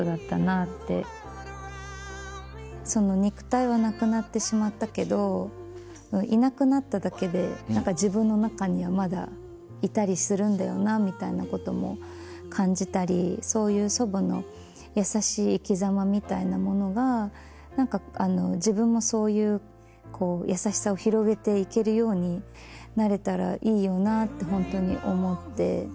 肉体はなくなってしまったけどいなくなっただけで自分の中にはまだいたりするんだよなみたいなことも感じたりそういう祖母の優しい生きざまみたいなものが自分もそういう優しさを広げていけるようになれたらいいよなってホントに思って。